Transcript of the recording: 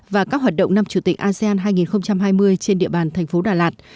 và các hoạt động năm chủ tịch asean hai nghìn hai mươi trên địa bàn thành phố đà lạt